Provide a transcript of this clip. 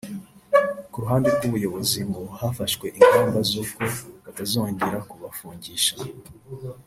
Ku ruhande rw’ubuyobozi ngo hafashwe ingamba z’uko batazongera kubafungisha